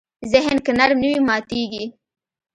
ذهن که نرم نه وي، ماتېږي.